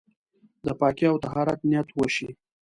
د پاکۍ او طهارت نيت وشي.